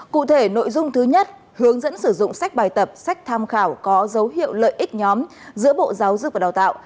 cụ thể nội dung thứ nhất hướng dẫn sử dụng sách bài tập sách tham khảo có dấu hiệu lợi ích nhóm giữa bộ giáo dục và đào tạo